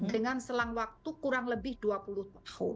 dengan selang waktu kurang lebih dua puluh tahun